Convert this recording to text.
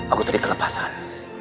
aku tadi kelepasan